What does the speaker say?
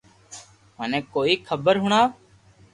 مني ڪوئي خبر ھڻاوُ